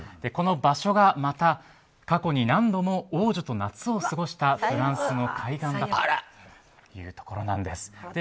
この場所がまた過去に何度も王女と夏を過ごしたフランスの海岸というところです。